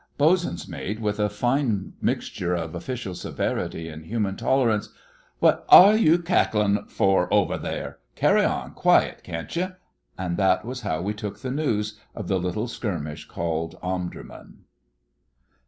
Bosun's mate with a fine mixture of official severity and human tolerance: 'What are you cacklin' for over there! Carry on quiet, can't you?' And that was how we took the news of the little skirmish called Omdurman.